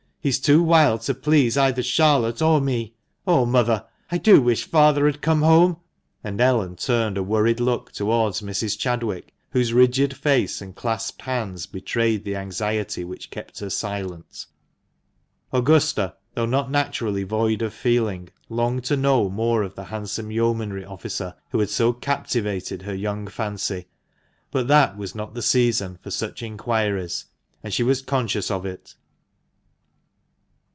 He's too wild to please either Charlotte or me !— Oh, mother! I THB MANCHESTER MAN. 183 do wish father had come home!" and Ellen turned a worried look towards Mrs. Chadwick, whose rigid face and clasped hands betrayed the anxiety which kept her silent. Augusta, though not naturally void of feeling, longed to know more of the handsome yeomanry officer who had so captivated her young fancy; but that was not the season for such inquiries, and she was conscious of it.